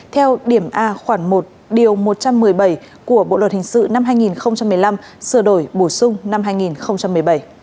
theo điểm a khoảng một điều một trăm một mươi bảy của bộ luật hình sự năm hai nghìn một mươi năm sửa đổi bổ sung năm hai nghìn một mươi bảy